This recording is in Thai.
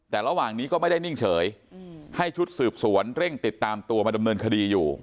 แต่ระหว่างนี้ก็ไม่ได้นิ่งเฉยให้ชุดสืบสวนเร่งติดตามตัวมาดำเนินคดีอยู่